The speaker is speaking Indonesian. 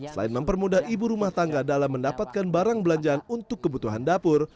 selain mempermudah ibu rumah tangga dalam mendapatkan barang belanjaan untuk kebutuhan dapur